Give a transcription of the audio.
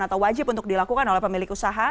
atau wajib untuk dilakukan oleh pemilik usaha